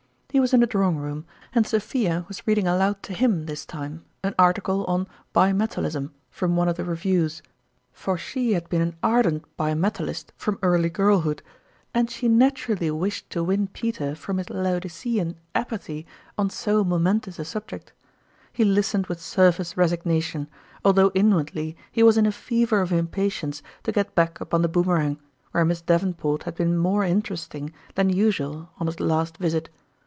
He was in the drawing room, and Sophia was reading aloud to him this time, an article on " Bi metalism " from one of the reviews ; for she had been an ardent bi metalist from early girl hood, and she naturally wished to win Peter from his Laodicean apathy on so momentous a subject. He listened with surface resignation, although inwardly he was in a fever of impa tience to get back upon the Boomerang, where Miss Davenport had been more interesting than usual on his last visit.